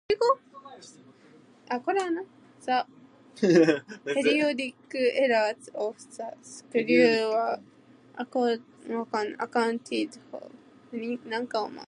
The periodic errors of the screw were accounted for.